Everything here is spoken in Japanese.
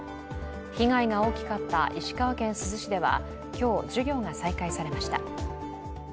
被害が大きかった石川県珠洲市では今日、授業が再開されました。